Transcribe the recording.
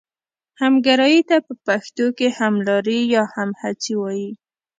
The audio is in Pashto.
همګرایي ته پښتو کې هملاري یا همهڅي وايي.